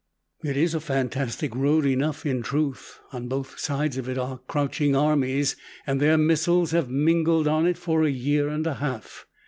It is a fantastic road enough, in truth. On both sides of it are crouching armies, and their missiles have mingled on it for a year and a half.